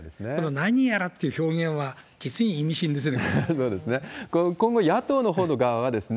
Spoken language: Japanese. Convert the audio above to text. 何やらという表現は、実に意味深ですね。